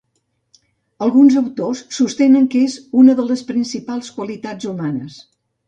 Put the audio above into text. Alguns autors sostenen que és una de les principals qualitats humanes.